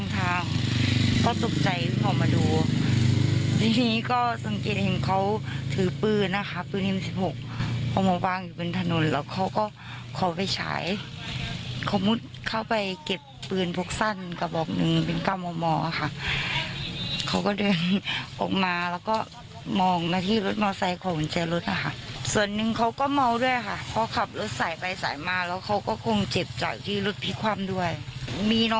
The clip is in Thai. ต่อจากเหตุการณ์นี้พอขี่มอเตอร์ไซส์มาคืน